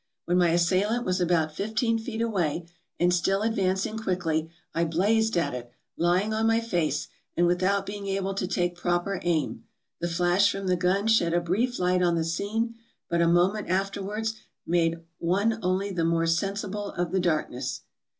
When my assailant was about fifteen feet away and still advancing quickly, I blazed at it, lying on my face, and without being able to take proper aim. The flash from the gun shed a brief light on the scene, but a moment afterwards made one only the more sensible of the darkness.